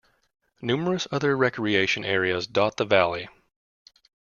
Numerous other recreation areas dot the valley.